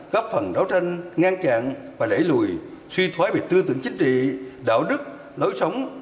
các phần đấu tranh ngang chạm và đẩy lùi suy thoái về tư tưởng chính trị đạo đức lối sống